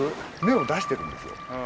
目を出してるんですよ。